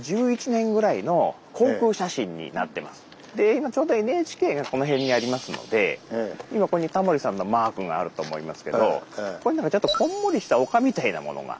今ちょうどＮＨＫがこの辺にありますので今ここにタモリさんのマークがあると思いますけどここになんかちょっとこんもりした丘みたいなものが。